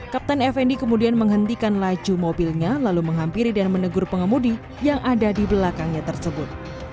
kapten fnd kemudian menghentikan laju mobilnya lalu menghampiri dan menegur pengemudi yang ada di belakangnya tersebut